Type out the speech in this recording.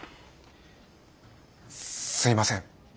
すいません。